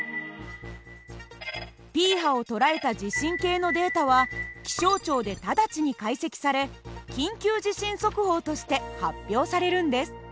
Ｐ波を捉えた地震計のデータは気象庁で直ちに解析され緊急地震速報として発表されるんです。